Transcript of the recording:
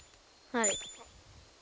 はい。